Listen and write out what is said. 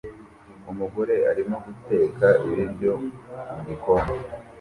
Umugore arimo guteka ibiryo mugikoni